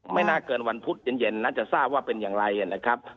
ไม่น่าเกินวันพุธเย็นน่าจะทราบว่าเป็นอย่างไรนะครับ